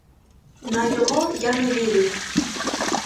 На його я не вірю.